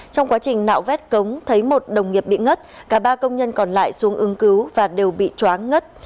trong quá trình nạo vét cống thấy một đồng nghiệp bị ngất cả ba công nhân còn lại xuống ứng cứu và đều bị chóa ngất